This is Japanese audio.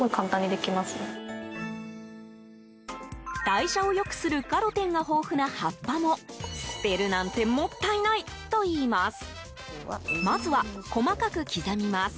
代謝を良くするカロテンが豊富な葉っぱも捨てるなんてもったいないといいます。